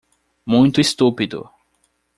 Muito estúpido